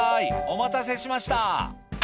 お待たせしました」